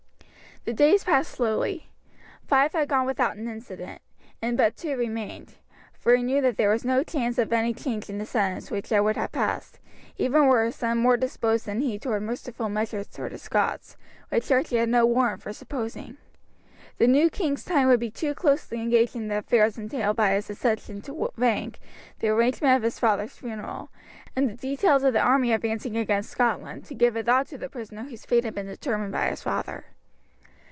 The days passed slowly. Five had gone without an incident, and but two remained, for he knew that there was no chance of any change in the sentence which Edward had passed, even were his son more disposed than he toward merciful measures to the Scots, which Archie had no warrant for supposing. The new king's time would be too closely engaged in the affairs entailed by his accession to rank, the arrangement of his father's funeral, and the details of the army advancing against Scotland, to give a thought to the prisoner whose fate had been determined by his father.